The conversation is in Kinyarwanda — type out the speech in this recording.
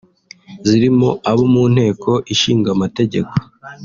zirimo abo mu Nteko Ishingamategeko